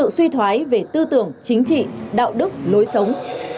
suy thoái về tư tưởng chính trị đạo đức lối sống